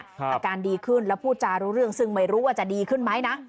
อาการดีขึ้นแล้วพูดจารู้เรื่องซึ่งไม่รู้ว่าจะดีขึ้นไหมนะ